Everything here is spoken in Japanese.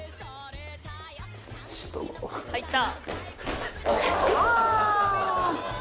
入った！